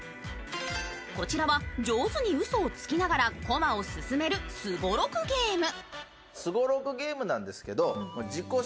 こちらは上手に嘘をつきながらコマを進めるすごろくゲーム。